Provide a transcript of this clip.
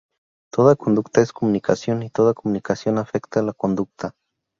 Toda conducta es comunicación, y toda comunicación afecta a la conducta.